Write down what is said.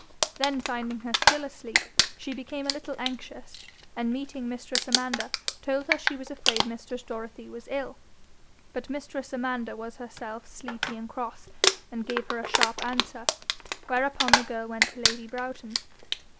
Then finding her still asleep she became a little anxious, and meeting mistress Amanda, told her she was afraid mistress Dorothy was ill. But mistress Amanda was herself sleepy and cross, and gave her a sharp answer, whereupon the girl went to lady Broughton.